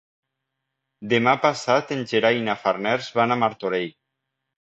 Demà passat en Gerai i na Farners van a Martorell.